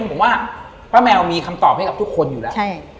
ผมว่าป้าแมวมีคำตอบให้กับทุกคนอยู่แล้ว